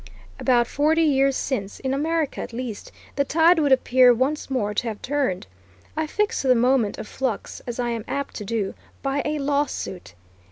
About forty years since, in America at least, the tide would appear once more to have turned. I fix the moment of flux, as I am apt to do, by a lawsuit.